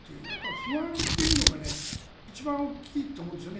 不安というのが一番大きいと思うんですね。